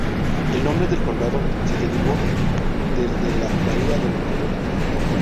El nombre del condado se derivó del de la bahía de Monterrey.